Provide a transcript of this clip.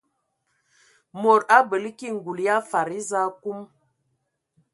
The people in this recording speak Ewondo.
Mod abələ ki ngul ya fadi eza akum.